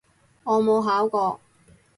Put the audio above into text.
我冇考過